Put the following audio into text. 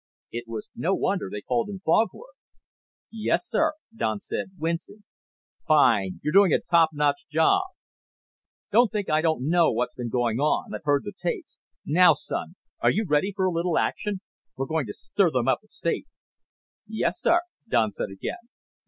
It was no wonder they called him Foghorn. "Yes, sir," Don said, wincing. "Fine. You've been doing a topnotch job. Don't think I don't know what's been going on. I've heard the tapes. Now, son, are you ready for a little action? We're going to stir them up at State." "Yes, sir," Don said again.